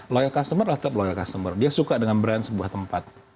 loyal customer adalah top loyal customer dia suka dengan brand sebuah tempat